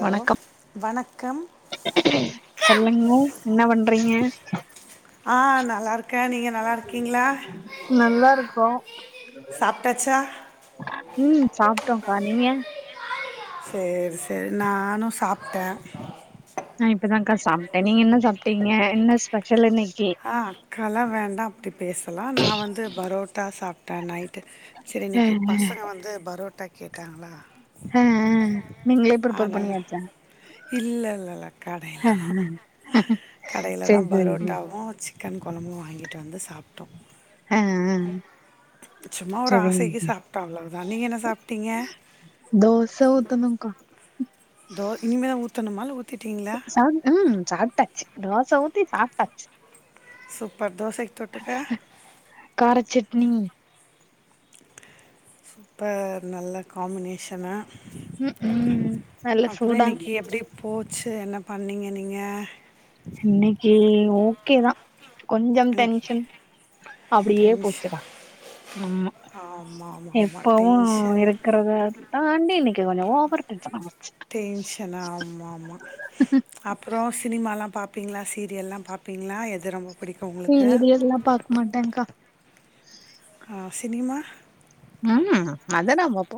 Hello வணக்கம் வணக்கம் சொல்லுங்க என்ன பண்றீங்க ஆ நல்லாருக்கே நீங்க நல்லாருக்கீங்களா நல்லாருக்கோ சாப்பிட்டாச்சா ம் சாப்டோக்கா நீங்க சேர் சேரி நானு சாப்ட நா இப்பதாக்கா சாப்டே நீங்க என்ன சாப்டீங்க என்ன ஸ்பெஷல் இன்னைக்கு ஆ கலா வேண்டா அப்டி பேசலா நா வந்து பரோட்டா சாப் ட்ட நைட்டு செரி ஆ இன்னிக்கி பசங்க வந்து பரோட்டா கேட்டாங்களா அ அ நீங்களே ப்ரிப்பர் பண்ணியாச்சா இல்ல இல்ல இல்ல ஆ கடைலதா ஆ கடைலதா சேரி சேரி பரோட்டா சேரி சிக்கன் கொழம்பும் வாங்கிட்டு வந்து சாப்ட்டோ ஆ ஆ சும்மா ஒரு ஆசைக்கு சரிங்கக்கா சாப்ட்டோ அவ்ளவுதா நீங்க என்ன சாப்ட்டீங்க தோச ஊத்தனூங்கா தோ இனிமே ஊத்தனுமா இல்ல ஊத் சா ஊம் சாப்ட்டாச்சு தோச ஊத்தி சாப்ட்டாச்சு சூப்பர் தோசக்கு தொட்டுக்க காரச்சட்னி சூப்பர் நல்ல காம்மினேஷனா ம் ம் நல்ல அப்புறோ சூடா இன்னிக்கு எப்டி போச்சு என்ன பண்ணீங்க நீங்க இன்னிக்கி ஓகே தா கொஞ்சம் இன்னைக்கு டென்ஷன் அப்டியே டென்ஷன் போச்சுக்கா ஆமா ஆமாம் ஆமாம் ஆமாம் எப்பவு டென்ஷன் இருக்கறதாதா தாண்டி இன்னிக்கி கொஞ்சோ ஓவரு டென்ஷன் [unintelligible] டென்ஷனா ஆமா ஆமா அப்புறோ சினிமாலா பாப்பீங்ளா சீரியல்லா பாப்பீங்களா எது ரொம்போ பிடிக்கோ உங்குளுக்கு மட்டன்கா ஆ சினிமா உம் அதலா பாப்போ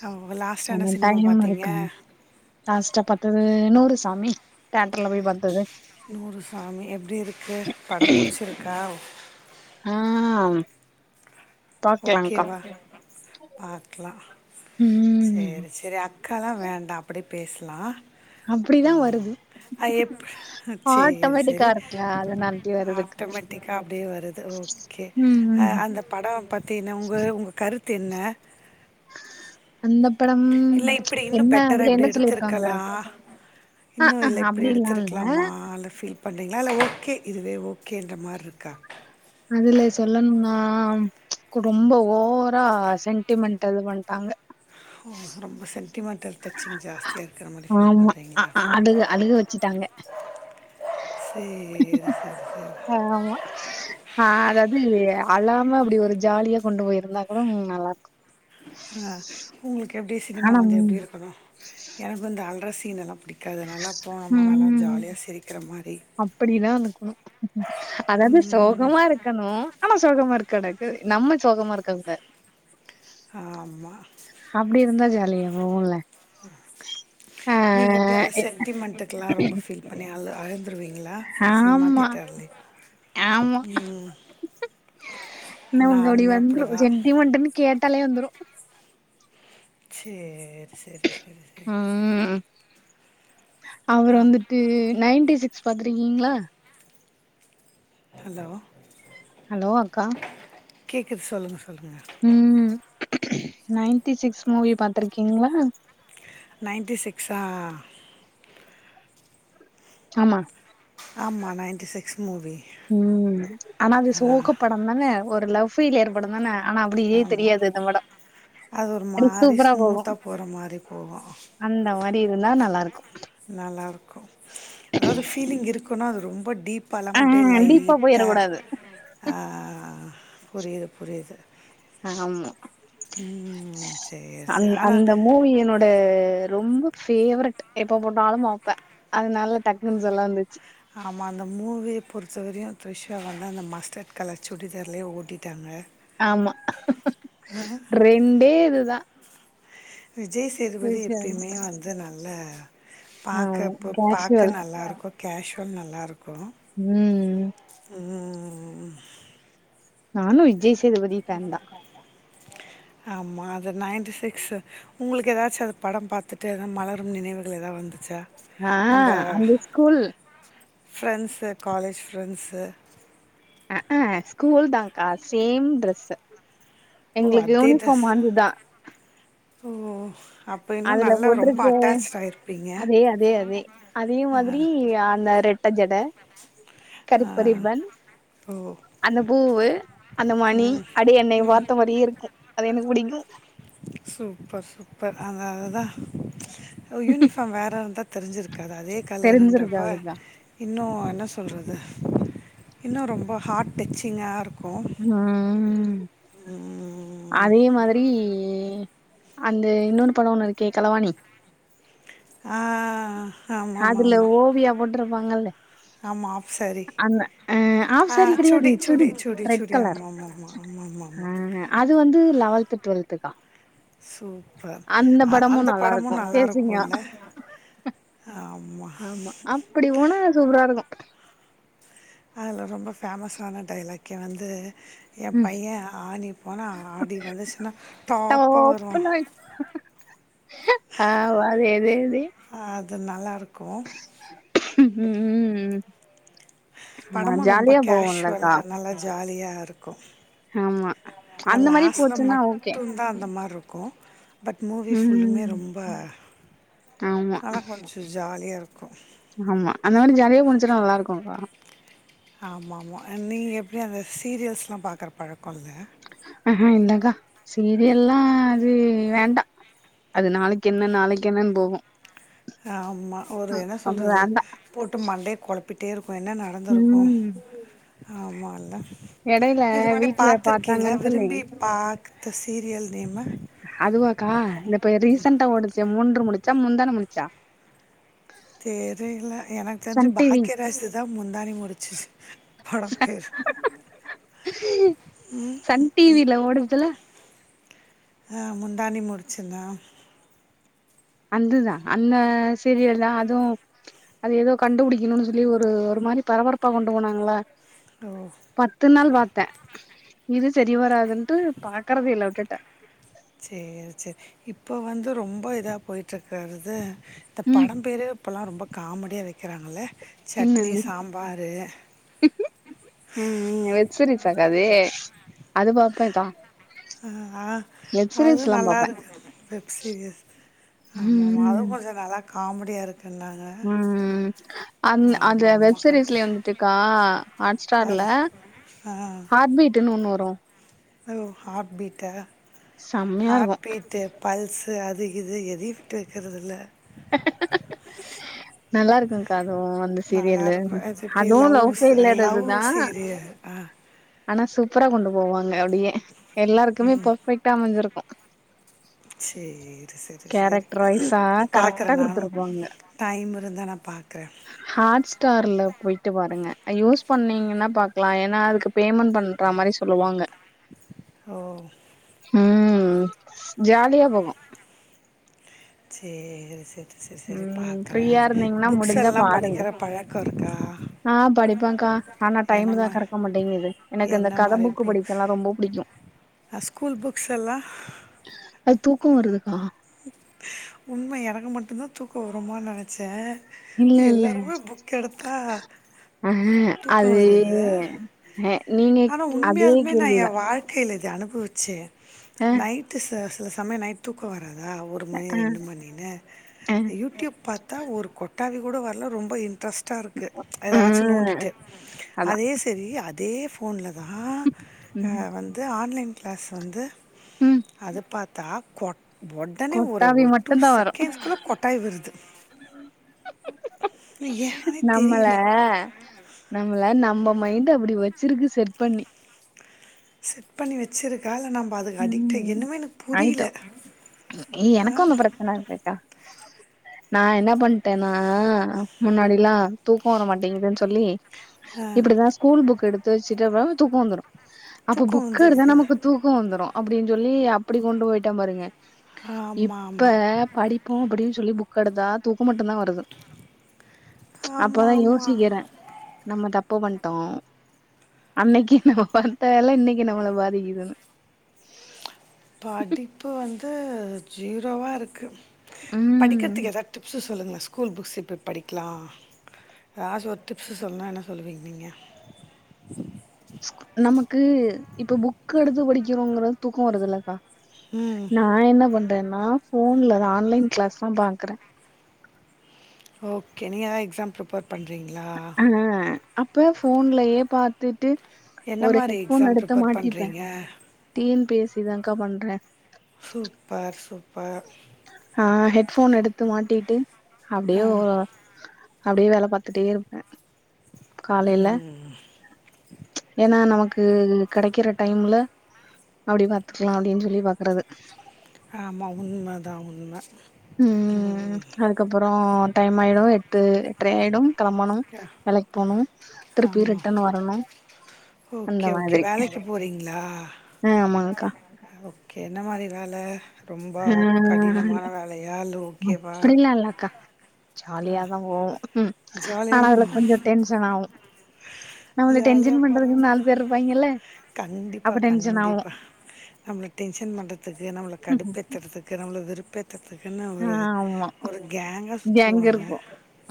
தவ் லாஸ்ட்டா என்ன ஆனா சினிமா டைம் பாத்தீங்க இருக்காது லாஸ்ட்டா பாத்தது நூறு சாமி தேட்டர்ல போய் பாத் நூறு சாமி எப்டி இருக்கு படோ புடிச்சிருக்கா அ ஓகேவா பாக்லா ம் செரி செரி அக்காலா வேண்டா அப்புடியே பேசலா அப்புடிதா வருது அ எப் செரி ஆட்டோமேட்டிக்கா செரி இருக்குல அதனாலடி வருதுக்கா ஆட்டோமேட்டிக்கா அப்டியே வருது ஓ ஓகே ம் அ ம் அந்த படோ பத்தி என்ன உங்க உங்க கருத்து என்ன அந்த படம் இல்ல இப்பிடி இன்னோ என்ன பெட்டரா அதுல இப்புடி என்ன சொல்லிருக்காங்க எடுத்திருக்கலா ஆ இன்னோ ஆ இல்ல இப்புடி அப்டிலா இல்ல எடுத்திருக்கலாமா அல்ல ஃபீல் பண்ணுறீங்களால இல்ல ஓகே இதுவே ஓகேன்ற மாரி இருக்கா அதுல சொல்லணும்னா ரொம்ப ஓவரா சென்டிமென்ட இது பண்ட்டாங்க ஓ ரொம்போ சென்ட் டிமெண்டல் டச்சிங் ஜாஸ்தியா இருக்குற மாரி ஃபீல் ஆமா. அ பண்றீங்களா அ அழுக அழுக வச்சுட்டாங்க. சேரி செர் சேரி ஆமா ஆ அதாவது அலாம அப்புடி ஒரு ஜாலியா கொண்டு போயிருந்தா கூட ம்ம் நல்லா இருக்கோ ஆ உங்குளுக்கு எப்டி சினிமா ஆனா வந்து எப்டி இருக்கணோ எனக்கு வந்து அல்ற சீன் எல்லா பிடிக் காது நல்லா போனமா நல்லா ஜாலியா சிரிக்கிற மாரி அப்புடிதா நிக்கணோ அதாவது சோகமா இருக் இர்க்கணோ ஆனா சோகமா இருக்க கடக்கு நம்ம சோகமா இருக்க கூடாது ஆமாம் அப்டி இருந்தா ஜாலியா உங்க ஊர்ல நீங்க எப்டி அந்த சென்டிமெண்டக்ல்லா ரொம்ப ஃபீல் பண்ணி அழு அழுந்துருவீங்களா சினிமா ஆமா, தேட்டர்லே ஆமா. ம் நமக்கு அப்டி அப்படி வந்துரு தான் செண்டிமண்டுனு கேட்டாலே வந்துரு சேர் செரி செரி செரி ம் அவரு ஆப் வந்துட்டு நைன்டி சிக்ஸ் பாத்திருக்கீங்ளா ஹலோ ஹலோ அக்கா கேக்குது சொல்லுங்க சொல்லுங்க ம் நைன்டி சிக்ஸ் மூவி பாத்திருக்கீங்ளா நைன்டி சிக்ஸா ஆமா ஆமா நைன்டி சிக்ஸ் மூவி ம் ஆனா அது சோகப்படந்தானே ஒரு லவ் ஃபீல் ஏற்படுந்தானே ஆனா அப்டியே ஆமாம் தெரியாது இந்த படோ அது ஒரு மாரி ஸ்மூத்தா போற மாரி போகு அந்த மாரி இருந்தா நல்லாருக்கு நல்லாருக்கு அதாவது ஃபீலிங் இருக்கனு அது ரொம்ப டீப் பழம் ஆ முட்டைல டீப்பா லைட்டா போயிரக் கூடாது ஆ புரியுது புரியுது ஆமா ம். சரி, அந் சரி. ஆனா அந்த மூவி என்னோ ட ரொம்ப பேவரெட் எப்ப போட்டாலு பாப்பே அதுனால டக்குன்னு சொல்ல வந்துச்சு ஆமா அந்த மூவிய பொறுத்தவரையு த்ரிஷ் வந்து அந்த மஸ்டட் கலர் சுடிதார்லே ஓட்டிட்டாங்க ஆமா ரெண்டே இதுதா விஜய்சே சேதுபதி எப்பயுமே வந்து நல்லா ஆமா பாக்கப் பு பாக்க கேஷுவல் நல்லாருக்கு கேஷுவல் நல்லாருக்கு ம் ம்ம்ம் நானு விஜய் சேதுபதி ஃபேன் தா ஆமா அது நைன்டி சிக்ஸ் உங்களுக்கு ஏதாச்சு அது படம் பாத்துட்டு எதா மலரு நினைவுகள் எதாவது வந் ச்சா ஆ நம்ம அந்த ஸ்கூல் ஃப்ரெண்ட்சு காலேஜ் ஃப்ரெண்ட்சு அஹ் ஆஹ் ஸ்கூல் தான்க்கா சேம் ட்ரெஸ்சு ஓ! எங்ளுக்கு அதே யூனிஃபாம் ட்ரெஸ். வந்துதா ஓ அப்ப இன்னும் அதுல நல்லா ரொம்ப போட்டிருக்கு அட்டாச்ட் ஆயிருப்பீங்க. அதே அதே அதே அதே ஆ, மாதிரி அந்த ரெட் ரெட்ட ஜட ஆ. கருப்பு ரிப்பன் ஓ அந்த பூவு அந்த மணி ம். அப்டியே என்னய பாத்த மாரி இருக்கு அது எனக்கு பிடிக்கும் சூப்பர் சூப்பர் அது அதுதா யூனிஃபாம் வேற இருந்தாத் தெரிஞ்சிருக்காது அதே தெரிஞ்சிருக்கு கலருன்றப்ப அதுதா இன்னு என்ன சொல்றது இன்னு ரொம்ப ஹாட் டச்சிங்காக இருக்கு ம்ம்ம் ம்ம்ம் அதே மாதிரிஇ அந்த இன்னொன்னு படோ ஒண்ணு இருக்கே கலவாணி ஆ ஆமா ஆமா அதுல ஆமா ஓவியா போட்ருப்பாங்கல்ல ஆமா ஆப் சாரி அந்த அ ஆஃப் ஆ சாரி கெடையாது சுடி சுடி சுடி ரெட் சுடி கலர் ஆமா ஆமா ஆமா ஆமா ஆமா ஆ ஆமா அது வந்து லவல்த் டுவெல்த்துகா சூப்பர் அ அந்த நல்லா படமு இருக்கு சேசிங்கா நல்லாருக்குல்ல ஆமா ஆமா அப்டி போனா சூப்ராருக்கு அதுல ரொம்ப ஃபேமஸான டைலாக்கே வந்து என் பைய ஆணி போனா ஆடி வந்துச்சுன்னா டாப்பா வருவா ஆமா அதே அதே அதே அது நல்லாருக்கு ம் ம் ம் ஆமா படமு ரொம்ப ஜாலியா போவோம்லக்கா கேஷுவலா நல்லா ஜாலியாருக்கு ஆமா அ அந்த மாரி லாஸ்ட்ல போச்சுன்னா ஓகே மட்டுதா அந்த மார்ருக்கு பட் மூவி ஃபுல்லுமே ம் ரொம்ப ஆமா நல்லா கொஞ்சோ ஜாலியா இருக்கு ஆமா அந்த மாரி ஜாலியா போனுச்சுனா நல்லாருக்குகா ஆமா ஆமா நீங்க எப்டி அந்த சீரியஸ்லா பாக்குற பழக்கோ இல்ல ஆஹ இல்லகா சீரியல்லா அது வேண்டா அது நாளைக் என்ன நாளைக் என்னன்னு போகு ஆமா ஒரு என்ன அது சொல்றது வேண்டா போட்டு மண்டைய குழப்பிட்டே இருக்கு என்ன ந நடந்துருக்கு ம் ஆமால்ல எடையில இதுக்கு முன்னாடி வீட்ல பாத்துருக்கீங்ளா பாத்தாங்கன்னு சொல்லி விரும்பி பாத்த சீரியல் நேமு அதுவாக்கா இந்த இப்ப ரீசண்டா ஓடுச்சே மூன்று முடிச்சா முன்தான முடிச்சா தெரில எனக் தெரிஞ்சு சன் டிவி பாக்கிய ராசுதா முந்தாணி முடிச்சு படோ பேரு சன் டிவில ஓட்றதுல ஆ முந்தானி முடிச்சுதா அதுதா அந்த சீரியல்தா அதுவு அது எதோ கண்டுபுடிக்குணுனு சொல்லி ஒரு ஒரு மாரி பரபரப்பா கொண்டு போனாங்களா ஓ பத்து நாள் பாத்த இது செரி வராதுன்டு பாக்கறதே இல்ல விட்டுட்ட சேரி சேரி இப்போ வந்து ரொம்ப இதா போய்ட்ருக்கறது இந்த ம் படோ பேரே இப்போலா ரொம்ப காமெடியா வெக்கறாங்கள சட்னி என்னன்னு சாம்பாரு ம் வெப்சீரிசாகா அது அது பாப்பேகா அ ஆ அது பாப்பே நல்லாருக்கு வெப் சீரியஸு ஆமா ஆமா அதுவு ம் கொஞ்சோ நல்லா காமெடியா இருக்குன்னாங் ம் அந் அந்த ஆமாமா. வெப் அட் சீரீஸ்ல வந்துட்டுகா ஹாட் ஸ்டார்ல அது அது ஆ ஹார்ட் பீட்டுனு ஒன்னு வரு ஹலோ ஹார்ட் பீட்டா செம்மையா ஹார்ட் இருக்கு பீட்டு பல்ஸு அது இது எதியு விட்டு வெக்கறது இல்ல நல்லாருக்குகா அதுவு அந்த சீரியலு அது இப்டி அதுவு லவ்ஸ் லவ்கு லவ் ரிலேட்டடுதா சீரியல். ஆ. ஆனா சூப்பரா கொண்டு போவாங்க அப்டியே எல்லாருக்குமே பர்ஃபெக்ட்டா அமஞ்சிருக்கு சேர் செரி செரி கேரக்டர் வைஸா செரி பாக்குற கரெக்டா நானு குடுத்துருப்பாங்க டைம் இருந்தா நா பாக்குற ஹாட்ஸ்டார்ல போயிட்டு பாருங்க யூஸ் பண்ணீங்கனா பாக்கலா எனா அதுக்கு பேமெண்ட் பண்ற மாரி சொல்லுவாங்க ஓ ம் ஜாலியா போகு சேரி சேர் செரி செரி ம் பாக்கறே ஃப்ரீயா இருந்தீங்கன்னா புக்ஸ் முடிஞ்சா எல்லா பாருங்க படிக்கிற பழக்கோ இருக்கா ஆ படிப்பங்க்கா ஆனா என்ன டைம் மா தாக்கா இருக்க மாட்டேங்குது எனக்கு இந்த என்ன கத புக்கு படிக்கல்லா ரொம்ப புடிக்கு அ ஸ்கூல் புக்ஸ் எல்லா அது தூக்கோ வருதுக்கா உண்ம எனக்கு மட்டுந்தா தூக்கோ வருமோன் நெனச்சே இல்ல எல்லாருமே புக் எடுத்தா தூக்கோ அதே வருது அ நீங்க அதே கேள்விதா கைல இது அனுபவிச்சே ஆ நைட்டு ச சில சமயோ நைட் தூக்கோ வராதா ஒரு மணி ஆ ரெண்டு மணின்னு ஆ யூடியூப் பாத்தா ஒரு கொட் டாவி கூட வர்ல ரொம்ப இன்ட்ரஸ்ட்டா இருக்கு எதாச்சு ம் நோண்டிட்டு அதா அதே செரி அதே ஃபோன்ல தா அ ம் வந்து ஆன்லைன் கிளாஸ் வந்து ம் அத பாத்தா கொட் ஒடனே ஒரு கொட்டாவி ஒரு டூ மட்டுந்தா வரு செகண்ட்ஸ்க்குள்ள கொட்டாயி வருது அது ஏஹானே நம்மள தெரியில நம்மள நம்ம மைண்டு அப்டி வெச்சிருக்கு செட் பண்ணி செட் பண்ணி வெச்சிருக்கா இல்ல நம் ம அதுக்கு அடிக்ட்டு ம் என்னுமே எனக் ஆயிட்டோ புரியில ஆ ஹன்ரெட்டா நா என்னா பண்ட்டேனா முன்னாடில்லா தூக்கோ வர மாட்டேங்குதுன் சொல்லி இப்டிதா ஸ்கூல் புக் எடுத்து வெச்சிட்டப்றமா தூக்கோ வந்துரு அப்ப தூக்கம் புக் எடுத்தா வந்துடுது நமக்கு தூக்கோ வந்துரு அப்டின் சொல்லி அப்டி கொண்டு போய்ட்ட பாருங்க ஆமாம் இப்ப ஆமாம் படி ப்போ அப்பிடி சொல்லி புக் எடுத்தா தூக்கோ மட்டுந்தா வருது அப்ப தா ஆமாம் ஆமாம் யோசிக்கிறே நம்ம தப்பு பண்ட்டோ அன்னைக்கு நம்ம பாத்த வேல இன்னைக்கு நம்மள பாதிக்குதுனு படிப்பு வந்து ஜீரோவா இருக்கு ம் படிக்கற்த்துக் எதா டிப்ஸு சொல்லுங்களே ஸ்கூல் புக்ஸ் எப்பிட் படிக்லா எதாஸ் ஒர் டிப்ஸு சொல்னா என்ன சொல்லுவீங் நீங்க ஸ்கூ அ நமக்கு இப்ப புக் எடுத்து படிக்கிறோங்றது தூக்கோ வருதுல்லக்கா ம் நா என்ன பண்றேன்னா ஃபோன்ல அது ஆன்லைன் கிளாஸ் தா பாக்கறே ஓகே நீங்க எதா எக்ஸாம் ப்ரிப்பேர் பண்றீங்ளா ம் அப்ப ஃபோன்லயே பாத்துட்டு என்ன ஒரு மாதிரி ஹெட்ஃபோன் எக்ஸாம் எடுத்து ப்ரிப்பேர் மாட்டிப்பே பண்ணுறீங்க T N P S C தாங்க்கா பண்றே சூப்பர் சூப்பர் ஆ ஹெட்ஃபோன் எடுத்து மாட்டிட்டு ஆ அப்டியே ஓ அப்டியே வேல பாத்துட்டே இருப்பே ம் ம் ஏனா நமக்கு கெடைக்கிற டைம்ல அப்டி பாத்துக்கலா அப்டின் சொல்லி பாக்றது ஆமா உண்ம தா உண்ம ம் அதுக்கப்பறோ டைம் ஆயிடு எட்டு எட்ரை ஆயிடும் கெளம்பணும் வேலைக்கு போணும் திருப்பி ஆமாம் ரிட்டன் வரணும் ஓகே ஓகே வேலைக்கு போறீங்ளா ஆ ஆமாங்க்கா ஓகே என்ன மாரி வேல ரொம்ப ஆ கடினமான வேலையா இல்ல ஓகேவா ஆ இல்லக்கா ஜாலியாதா போவோ ஜாலியா ஆனா தா அதுல கொஞ்ச டென்ஷன் ஆவு நம்மள ஜாலியா டென்ஷன் போறவ பண்றதுக்குன் நாலு பேர் இருப்பாங்கெல்ல கண்டிப்பா கண்டிப்பா நம்மள டென்ஷன் பண்றத்துக்கு நம்மள கடுப்பேத் த்தற்துக்கு நம்மள வெருப்பேத்தற்துக்குன்னு ஆ ஒரு ஆமா ஒரு கேங்கா கேங் சுத்துவாங்க இருப்போ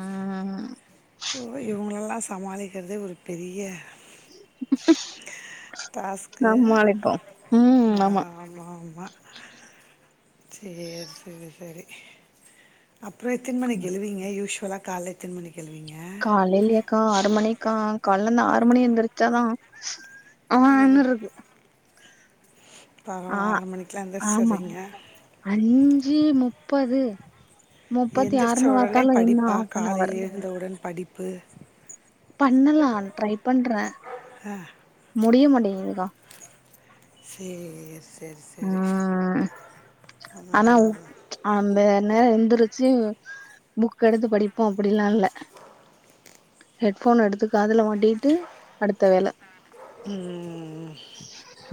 ம் இப்போ இவ்ங்களெல்லா சமாளிக்கிறதே ஒரு பெரிய டாஸ்க்கு சமாளிப்போ ம் ஆமா ஆமாம்மா சேரி சேரி செரி அப்ற எத்தன மணிக்கு எழுவீங்க யூஸ்வலா கால்ல எத்தன மணிக்கு எழுவீங்க காலைலயாக்கா ஆறு மணிக்கா கால்லருந்து ஆறு மணி எந்திருச்சாதா ஆ என்னருது பரவால்ல ஆறு மணிக்குலா ஆமா எந்திரிச்சுறீங்க அஞ்சு முப்பது முப்பத்தி எந்திருச்ச ஆறுன்னு ஒடனே பாத்தாலு இன்னு படிப்பா ஹாஃப் அன் அவர் காலைல எழுந்தவுடன் படிப்பு பண்ணலா ட்ரை பண்றே ஆ முடிய மாட்டேங்குதுக்கா சேர் சேரி சேரி ம் ஆனா ம் அந்த என்ன எந்துருச்சு புக் எடுத்து படிப்போ அப்டிலா இல்ல ஹெட் ஃபோன் எடுத்து காதுல மாட்டிட்டு அடுத்த வேல ம்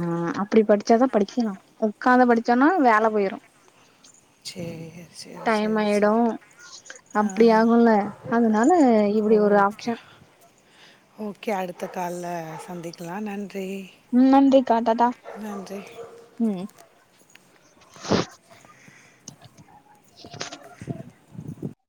ஆ அப்டி படிச்சாதா படிக்கலா ஒக்காந்து படிச்சோன்னா வேல போயிரு சேரி டையமாய்டு ஆ அப்டி ஆகுல அதனால இப்டி ஒரு ஓகே ஆப்ஷன் ஆஹ ஓகே அடுத்த கால்ல சந்திக்கலா நன்றி ம் நன்றிக் காட்டட்டா நன்றி ம்